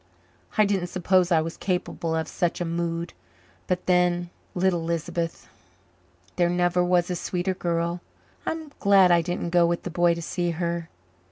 "I didn't suppose I was capable of such a mood. But then little Lisbeth. There never was a sweeter girl. I'm glad I didn't go with the boy to see her.